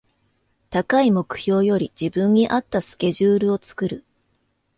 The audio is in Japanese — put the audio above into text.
高い目標より自分に合ったスケジュールを作る